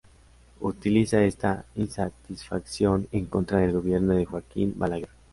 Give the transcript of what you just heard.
Utiliza esta insatisfacción en contra del gobierno de Joaquín Balaguer.